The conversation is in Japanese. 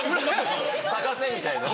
捜せ！みたいな。